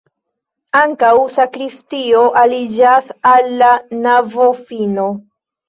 Ankaŭ sakristio aliĝas al la navofino.